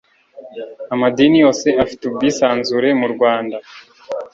amadini yose afite ubwisanzure mu rwanda